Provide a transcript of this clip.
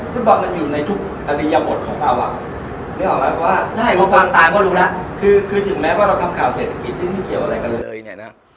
ฟุตบอลมันอยู่ในทุกอดียะหมดของเราถึงแม้ว่าเราทำข่าวเศรษฐกิจซึ่งไม่เกี่ยวอะไรกันเลย